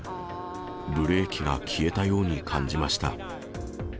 ブレーキが消えたように感じました。